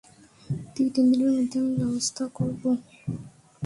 দুই তিন দিনের মধ্যে আমি ব্যবস্থা করব।